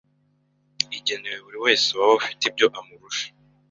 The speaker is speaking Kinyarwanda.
igenewe buri wese waba afite ibyo amurusha